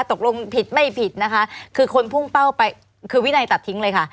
ตกลงผิดไม่ผิดนะคะคือคนพุ่งเป้าไปคือวินัยตัดทิ้งเลยค่ะ